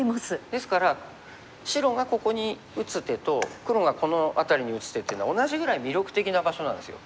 ですから白がここに打つ手と黒がこの辺りに打つ手っていうのは同じぐらい魅力的な場所なんですよ。